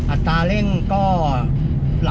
อัตราเร่งก็ไหลรื่นครับ